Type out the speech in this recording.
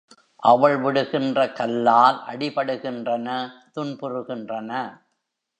அவள் விடுகின்ற கல்லால் அடிபடுகின்றன துன்புறுகின்றன.